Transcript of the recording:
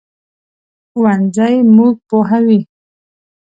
ښوونځی موږ پوهوي